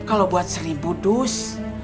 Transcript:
kalau buat seribu dus